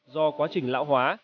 do quá trình lão hóa